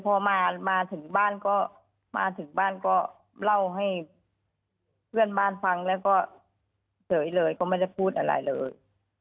พอมาถึงบ้านก็มาถึงบ้านก็เล่าให้เพื่อนบ้านฟังแล้วก็เฉยเลยก็ไม่ได้พูดอะไรเลย